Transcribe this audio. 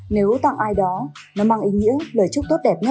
nếu tặng ai đó nó mang ý nghĩa lời chúc tốt đẹp nhất